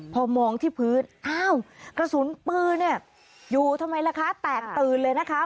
พอมองที่พื้นอ้าวกระสุนปืนเนี่ยอยู่ทำไมล่ะคะแตกตื่นเลยนะคะ